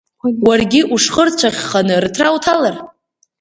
Уаргьы ушхырцәаӷьханы, рыҭра уҭалар?